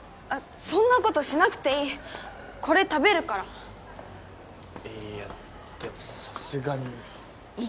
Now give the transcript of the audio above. そんなことしなくていいこれ食べるからいやでもさすがに言ったでしょ